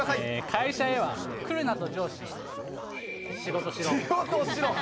会社へは来るなと上司、仕事しろ？